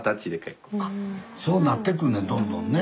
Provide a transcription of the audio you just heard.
そうなってくんねんどんどんね。